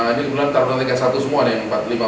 ini sebenarnya tarunan tiga puluh satu semua nih